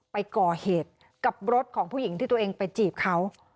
ไปก่อเหตุกับรถของผู้หญิงที่ตัวเองไปจีบเขา